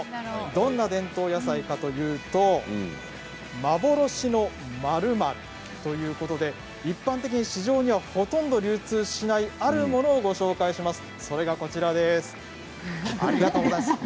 どんな伝統野菜かというとまぼろしの○○ということで一般的に市場には、ほとんど流通しないあるものをご紹介します。